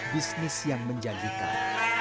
bisnis yang menjanjikan